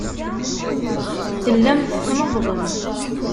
Tellamt tneḍḍbemt.